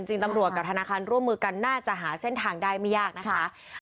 จริงตำรวจกับธนาคารร่วมมือกันน่าจะหาเส้นทางได้ไม่ยากนะคะ